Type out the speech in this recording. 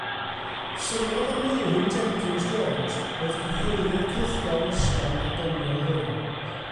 Syniad Aneurin Jenkins Jones oedd cyhoeddi'r cylchgrawn ysgafn a doniol hwn.